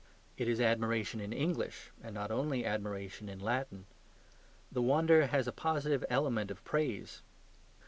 It is admiration in English and not only admiration in Latin. The wonder has a positive element of praise.